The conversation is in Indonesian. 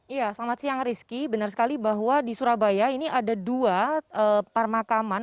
iya selamat siang rizky benar sekali bahwa di surabaya ini ada dua permakaman